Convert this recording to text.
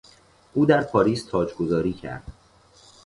او در پاریس تاجگذاری کرد.